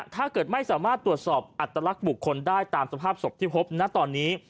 ถ้าเกิดไม่สามารถตรวจสอบอัตลักษณ์บุคคลได้ตามสภาพศพที่พบนะตอนนี้